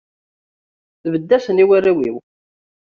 Tbedd-asen i warraw-iw.